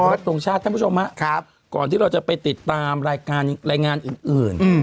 ตรงชาติท่านผู้ชมครับก่อนที่เราจะไปติดตามรายการรายงานอื่น